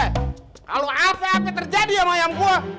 kalo apa apa terjadi sama ayam gua